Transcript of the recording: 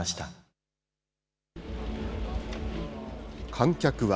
観客は。